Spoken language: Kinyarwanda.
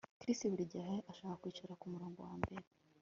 Chris buri gihe ashaka kwicara kumurongo wambere